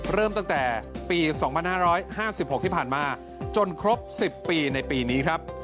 เริ่มตั้งแต่ปี๒๕๕๖ที่ผ่านมาจนครบ๑๐ปีในปีนี้ครับ